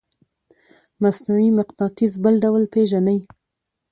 مصنوعي مقناطیس بل ډول پیژنئ؟